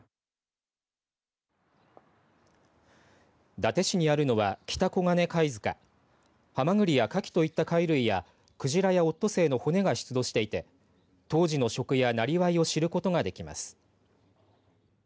伊達市にあるのは北黄金貝塚ハマグリやカキといった貝類やクジラやオットセイの骨が出土していて当時の食やなりわいを知ることができます。